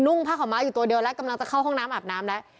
่งผ้าขาวม้าอยู่ตัวเดียวแล้วกำลังจะเข้าห้องน้ำอาบน้ำแล้ว